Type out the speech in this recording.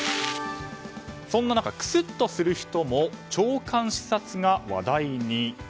そんな中、クスッとする人も長官視察が話題に。